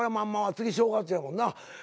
次正月やもんな。